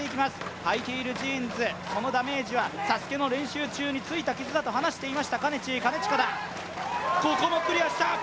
はいているジーンズ、そのダメージはＳＡＳＵＫＥの練習中についた傷だと話していました、かねちー、兼近だ、ここもクリアした。